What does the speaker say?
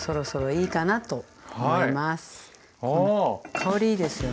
香りいいですよね。